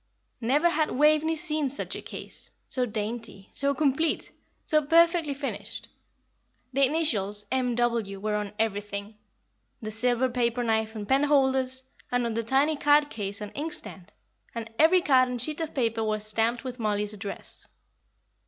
Never had Waveney seen such a case, so dainty, so complete, so perfectly finished. The initials "M. W." were on everything the silver paper knife and penholders, and on the tiny card case and inkstand; and every card and sheet of paper was stamped with Mollie's address.